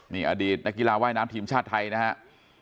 นี่อดีตนักกีฬาว่ายน้ำทีมชาติไทยนะครับ